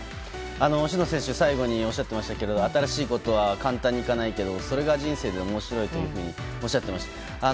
真道選手、最後におっしゃっていましたけども新しいことは簡単にいかないけどそれが人生で面白いとおっしゃってました。